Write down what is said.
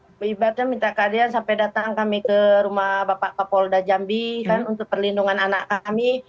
ibu ibaratnya minta keadilan sampai datang kami ke rumah bapak kapolda jambi kan untuk perlindungan anak kami